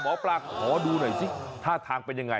หมอปลาขอดูหน่อยสิท่าทางเป็นยังไง